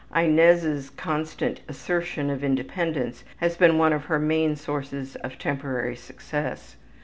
Inez' constant assertion of independence has been one of her main sources of temporary success.